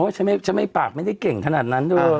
ฉันไม่ปากไม่ได้เก่งขนาดนั้นเธอ